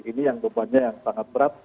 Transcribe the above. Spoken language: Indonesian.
ini yang gue buatnya yang sangat berat